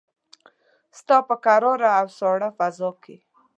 ستا په کراره او ساړه فضاکې